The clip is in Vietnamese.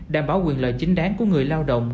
đảm bảo quyền lợi chính đáng của người lao động